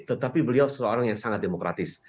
tetapi beliau seorang yang sangat demokratis